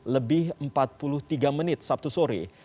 lebih empat puluh tiga menit sabtu sore